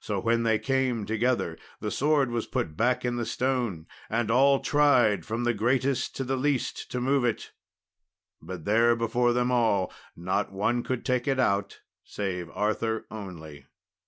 So when they came together, the sword was put back in the stone, and all tried, from the greatest to the least, to move it; but there before them all not one could take it out save Arthur only.